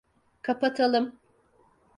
Kapatalım.